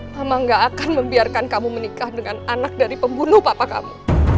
mama gak akan membiarkan kamu menikah dengan anak dari pembunuh papa kamu